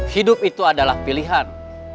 hidup itu adalah pilihan